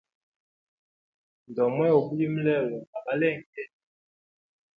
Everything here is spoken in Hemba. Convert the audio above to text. Ndomwena ubulimi lelo na balenge?